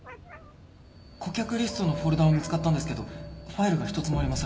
顧客リストのフォルダは見つかったんですけどファイルが一つもありません